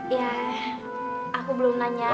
iya aku belum nanya